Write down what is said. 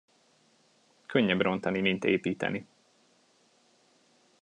Könnyebb rontani, mint építeni.